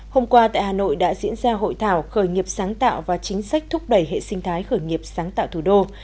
hôm qua tại hà nội đã diễn ra hội thảo khởi nghiệp sáng tạo và chính sách thúc đẩy hệ sinh thái khởi nghiệp sáng tạo thủ đô